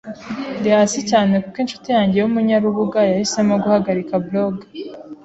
Ndi hasi cyane kuko inshuti yanjye yumunyarubuga yahisemo guhagarika blog.